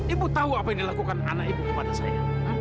ibu tahu apa yang dilakukan anak ibu kepada saya